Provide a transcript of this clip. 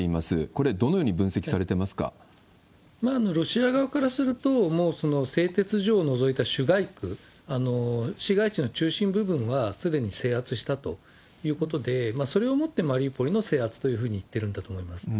これ、どのように分析されていまロシア側からすると、もう製鉄所を除いた主街区、市街地の中心部分はすでに制圧したということで、それをもってマリウポリの制圧というふうにいってるんだと思います。